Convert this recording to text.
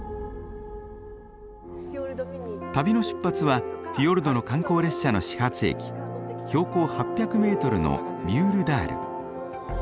旅の出発はフィヨルドの観光列車の始発駅標高８００メートルのミュールダール。